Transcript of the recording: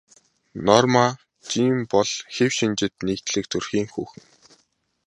Норма Жин бол хэв шинжит нийтлэг төрхийн хүүхэн.